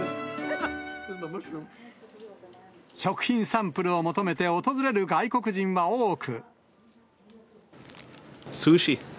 食品サンプルを求めて訪れる外国人は多く。